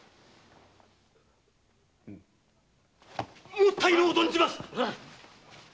もったいのう存じます！